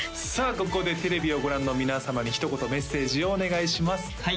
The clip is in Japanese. ここでテレビをご覧の皆様にひと言メッセージをお願いしますはい